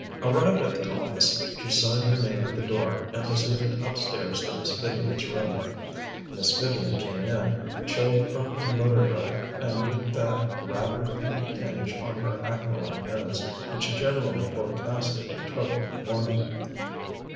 Arrived at the office, she signed her name at the door, and proceeded upstairs to Miss Vivian's room. Miss Vivian came in, chilled from her motor drive and with that rather pinky tinge on her aquiline nose which generally forecasted a troubled morning.